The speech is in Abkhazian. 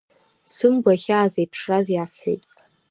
Сымгәа ахьаа зеиԥшраз иасҳәеит.